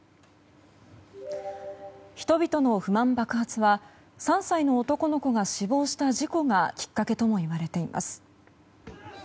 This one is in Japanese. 人々の不満爆発は３歳の男の子が死亡した事故がきっかけともいわれています。